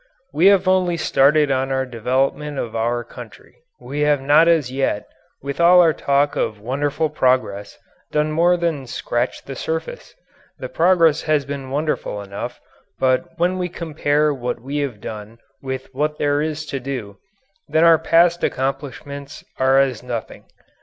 We have only started on our development of our country we have not as yet, with all our talk of wonderful progress, done more than scratch the surface. The progress has been wonderful enough but when we compare what we have done with what there is to do, then our past accomplishments are as nothing.